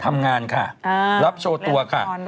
ทำงานค่ะรับโชว์ตัวค่ะ